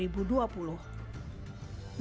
badan kesehatan indonesia